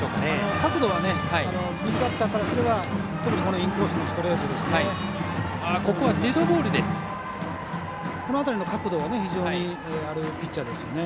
角度は右バッターからすれば特にインコースのストレートですね。